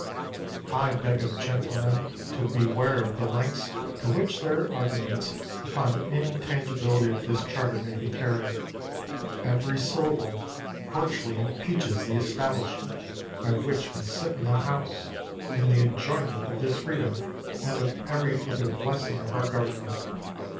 I beg of gentlemen to beware of the lengths to which their arguments upon the intangibility of this charter may be carried. Every syllable virtually impeaches the establishment by which we sit in the House, in the enjoyment of this freedom and of every other blessing of our government.